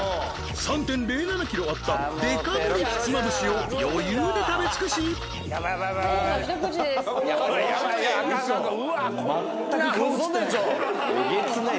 ３．０７キロあったデカ盛ひつまぶしを余裕で食べ尽くし全く顔写ってないね